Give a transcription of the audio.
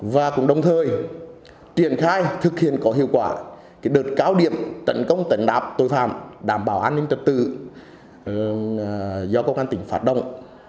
và cũng đồng thời triển khai thực hiện có hiệu quả đợt cao điểm tấn công tấn nạp tội phạm đảm bảo an ninh trật tự do công an tỉnh phát động